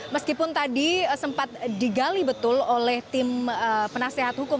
meskipun tadi sempat digali betul oleh tim penasehat hukum